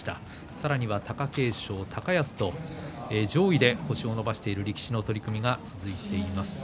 さらには貴景勝、高安と上位で星を伸ばしている力士の取組が続いています。